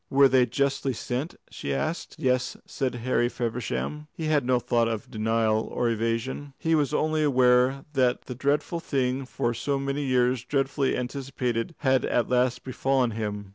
"Were they justly sent?" she asked. "Yes," said Harry Feversham. He had no thought of denial or evasion. He was only aware that the dreadful thing for so many years dreadfully anticipated had at last befallen him.